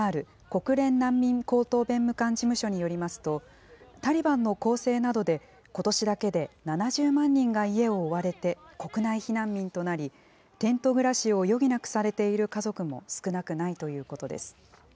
ＵＮＨＣＲ・国連難民高等弁務官事務所によりますと、タリバンの攻勢などでことしだけで７０万人が家を追われて、国内避難民となり、テント暮らしを余儀なくされている家族も少なくないということです。